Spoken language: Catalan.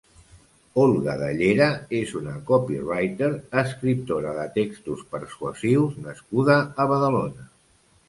Olga de Llera és una copywriter Escriptora de textos persuassius nascuda a Badalona.